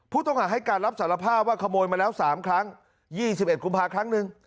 ผู้ต้องหาให้การรับสารภาพว่าขโมยมาแล้ว๓ครั้ง๒๑กุมภาคครั้งหนึ่ง